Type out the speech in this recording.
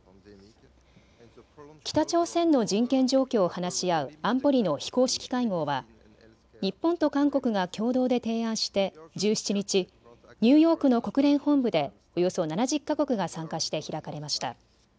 北朝鮮の人権状況を話し合う安保理の非公式会合は日本と韓国が共同で提案して１７日、ニューヨークの国連本部でおよそ７０か国が参加して開かれました。